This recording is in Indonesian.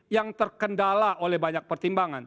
yang terkendala oleh banyak pertimbangan